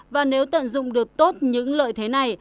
và nếu tận dụng được tốt những lợi thế này